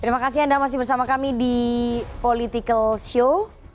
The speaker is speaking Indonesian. terima kasih anda masih bersama kami di political show